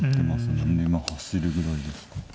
まあ走るぐらいですか。